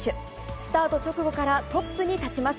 スタート直後からトップに立ちます。